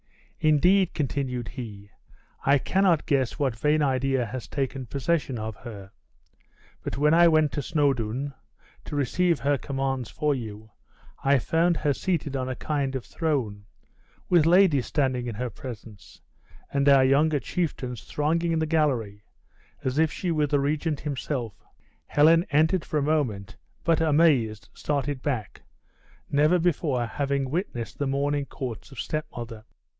"Indeed," continued he, "I cannot guess what vain idea has taken possession of her; but when I went to Snawdoun, to receive her commands for you, I found her seated on a kind of throne, with ladies standing in her presence, and our younger chieftains thronging the gallery, as if she were the regent himself. Helen entered for a moment, but, amazed, started back, never before having witnessed the morning courts of stepmother."